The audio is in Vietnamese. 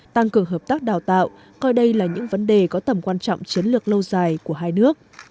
tăng cường hợp tác đào tạo coi đây là những vấn đề có tầm quan trọng chiến lược lâu dài của hai nước